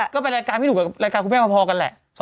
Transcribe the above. ก็ไปรายการพี่หนุ่มกับรายการคุณแม่มาพอกันแหละ